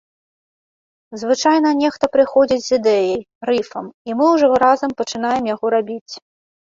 Звычайна нехта прыходзіць з ідэяй, рыфам, і мы ўжо разам пачынаем яго рабіць.